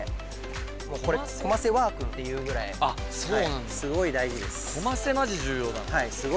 これコマセワークっていうぐらいすごい大事です。